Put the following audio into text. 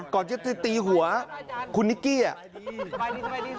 ก่อนที่จะตีหัวคุณนิกกี้น่ะสบายดี